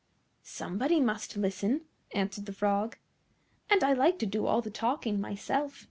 "Somebody must listen," answered the Frog, "and I like to do all the talking myself.